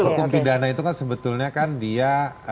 hukum pidana itu kan sebetulnya kan dia